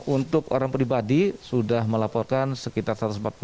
untuk orang pribadi sudah melaporkan sekitar satu ratus empat puluh